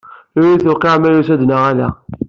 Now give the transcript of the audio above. Ur yi-tewqiɛ ma yusa-d neɣ ala.